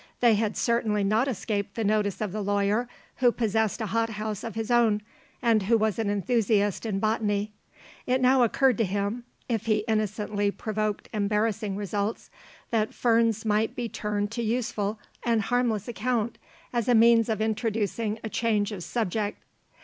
They had certainly not escaped the notice of the lawyer, who possessed a hot house of his own, and who was an enthusiast in botany. It now occurred to him if he innocently provoked embarrassing results that ferns might be turned to useful and harmless account as a means of introducing a change of subject.